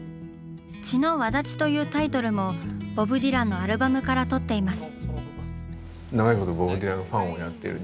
「血の轍」というタイトルもボブ・ディランのアルバムからとっています。